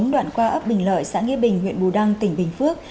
đoạn qua ấp bình lợi xã nghĩa bình huyện bù đăng tỉnh bình phước